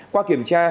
qua kiểm tra